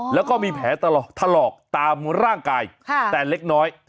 แล้วก็มีแผลตลอดถลอกตามร่างกายแต่เล็กน้อย